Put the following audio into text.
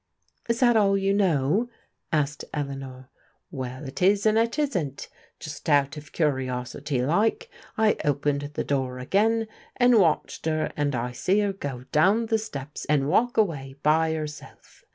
" Is that all you know? " asked Eleanor. " Well, it is and it isn't. Just out of curiosity like, I opened the door again, and watched 'er and I see 'er go down the steps and walk away by 'erself.